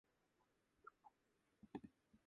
青森県野辺地町